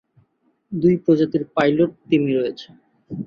দুই প্রজাতির পাইলট তিমি রয়েছে।